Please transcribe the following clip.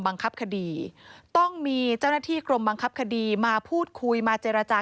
บังคับคดีต้องมีเจ้าหน้าที่กรมบังคับคดีมาพูดคุยมาเจรจา